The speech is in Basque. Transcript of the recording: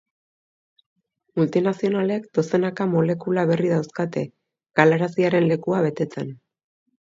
Multinazionalek dozenaka molekula berri dauzkate galaraziaren lekua betetzen.